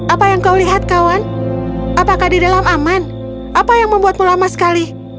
apa yang kau lihat kawan apakah di dalam aman apa yang membuatmu lama sekali